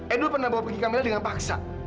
ido pernah bawa pergi kamila dengan paksa